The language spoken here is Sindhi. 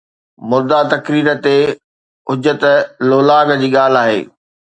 مرده تقرير تي حجت، لولاک جي ڳالهه آهي